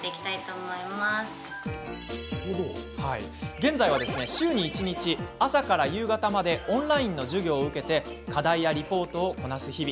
現在は週に一日、朝から夕方までオンラインの授業を受け課題やリポートをこなす日々。